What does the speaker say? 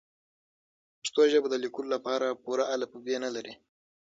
پښتو ژبه د لیکلو لپاره پوره الفبې نلري.